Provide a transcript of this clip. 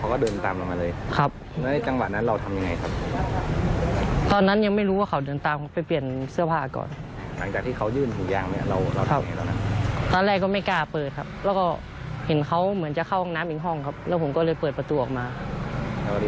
ครับแล้วเขาก็ดึงแขนไปก่อนเขาก็เปิดประตูอีกห้องแล้วดึงแขนผมไว้